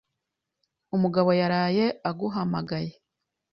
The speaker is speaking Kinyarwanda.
Umugabo yaraye aguhamagaye.